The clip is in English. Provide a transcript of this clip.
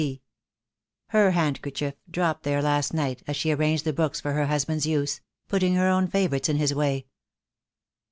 C." Her handkerchief, dropped there last night, as she arranged the books for her husband's use — putting her own favourites in his way.